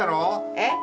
えっ？